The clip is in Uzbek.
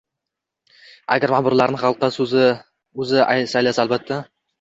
Agar ma`murlarni xalqning o'zi saylasa albatta